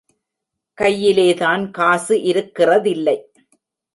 கையிலேதான் காசு இருக்கிறதில்லை.